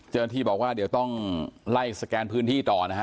เจ้าหน้าที่บอกว่าเดี๋ยวต้องไล่สแกนพื้นที่ต่อนะฮะ